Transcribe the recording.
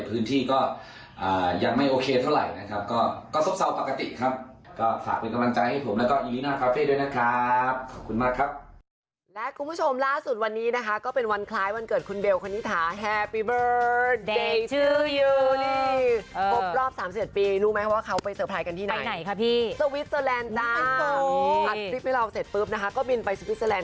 พื้นที่ก็ยังไม่โอเคเท่าไหร่นะครับก็ซบเซาปกติครับ